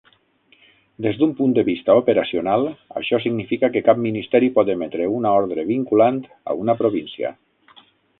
Des d'un punt de vista operacional, això significa que cap ministeri pot emetre una ordre vinculant a una província.